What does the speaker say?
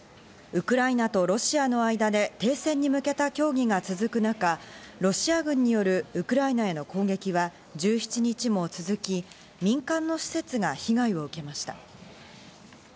ウクライナとロシアの間で停戦に向けた協議が続く中、ロシア軍によるウクライナへの攻撃は１７日も続き、民間の施設が被害を受けました。